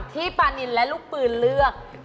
ที่ป้านินลูกพื้นเลือก